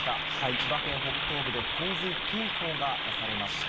千葉県北東部で洪水警報が出されました。